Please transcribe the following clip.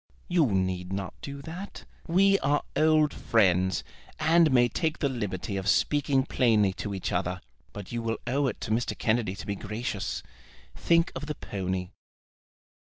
"You need not do that. We are old friends, and may take the liberty of speaking plainly to each other; but you will owe it to Mr. Kennedy to be gracious. Think of the pony."